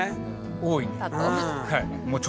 大いに。